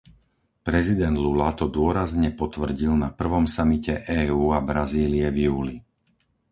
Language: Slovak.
Prezident Lula to dôrazne potvrdil na prvom samite EÚ a Brazílie v júli.